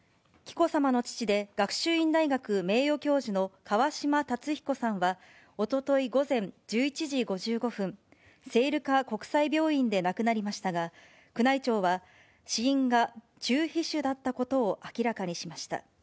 紀子さまの父で学習院大学名誉教授の川嶋辰彦さんは、おととい午前１１時５５分、聖路加国際病院で亡くなりましたが、宮内庁は、死因が中皮腫だったことを明らかにしました。